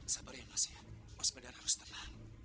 sabar ya mas mas badan harus tenang